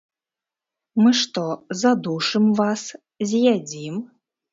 Мы што, задушым вас, з'ядзім?